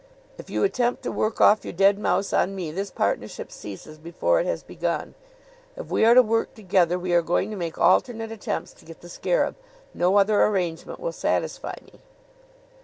If you attempt to work off your dead mouse on me this partnership ceases before it has begun. If we are to work together we are going to make alternate attempts to get the scarab. No other arrangement will satisfy me."